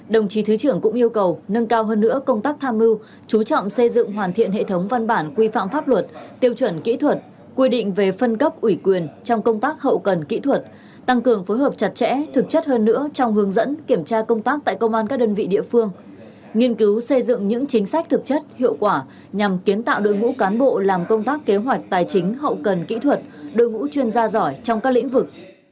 đồng chí thứ trưởng cũng yêu cầu nâng cao hơn nữa công tác tham mưu chú trọng xây dựng hoàn thiện hệ thống văn bản quy phạm pháp luật tiêu chuẩn kỹ thuật quy định về phân cấp ủy quyền trong công tác hậu cần kỹ thuật tăng cường phối hợp chặt chẽ thực chất hơn nữa trong hướng dẫn kiểm tra công tác tại công an các đơn vị địa phương nghiên cứu xây dựng những chính sách thực chất hiệu quả nhằm kiến tạo đội ngũ cán bộ làm công tác kế hoạch tài chính hậu cần kỹ thuật đội ngũ chuyên gia giỏi trong các lĩnh vực